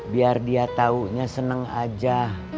biar dia taunya senang aja